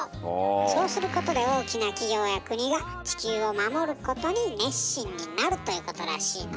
そうすることで大きな企業や国が地球を守ることに熱心になるということらしいの。